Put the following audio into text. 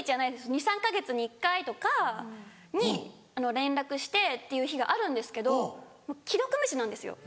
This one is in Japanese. ２３か月に１回とかに連絡してっていう日があるんですけど既読無視なんですよ。